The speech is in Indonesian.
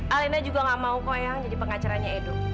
alena juga nggak mau kok eang jadi pengacaranya edo